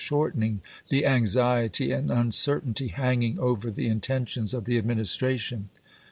shortening, the anxiety and uncertainty hanging over the intentions of the Administration.